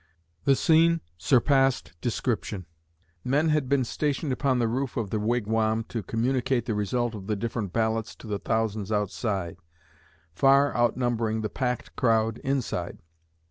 "The scene surpassed description. Men had been stationed upon the roof of the Wigwam to communicate the result of the different ballots to the thousands outside, far outnumbering the packed crowd inside.